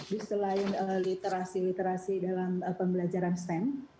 di selain literasi literasi dalam pembelajaran stem